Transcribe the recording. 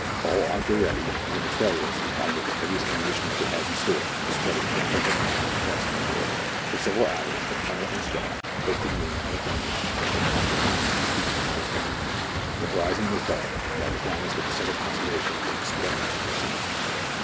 All arms were ready, and the mitrailleuse, armed with the heaviest ammunition that they had in store, spread its formidable mouth across the embrasure. For several hours the Colonel and Strux, posted in thenar row donjon, kept a constant watch on the peak of Volquiria. The horizon was dark, while the finest of the southern con stellations were resplendent in the zenith.